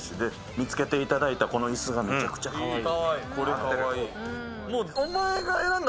見つけていただいたこの椅子がめちゃくちゃかわいい。